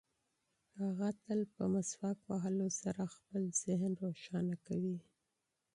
هغه تل په مسواک وهلو سره خپل ذهن روښانه کوي.